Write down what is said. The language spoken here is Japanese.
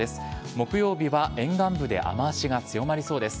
木曜日は沿岸部で雨足が強まりそうです。